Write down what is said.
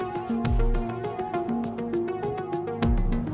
nah violent banget sih nanti itu